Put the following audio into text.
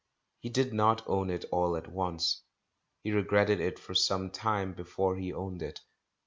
He did not own it all at once, he re gretted it for some time before he owned it.